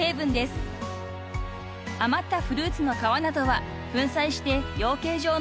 ［余ったフルーツの皮などは粉砕して養鶏場の餌や畑の肥料に］